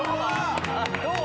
どう？